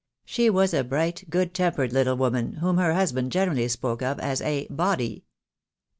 She was a bright, good tempered little woman, whom her husband generally spoke of as a "body."